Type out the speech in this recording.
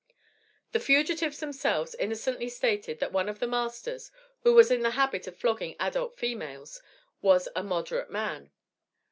The fugitives themselves innocently stated that one of the masters, who was in the habit of flogging adult females, was a "moderate man."